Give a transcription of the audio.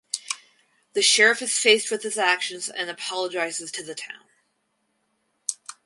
The sheriff is faced with his actions and apologizes to the town.